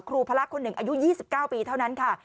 ครูพระลักษมณ์คนหนึ่งอายุ๒๙ปีเท่านั้นค่ะ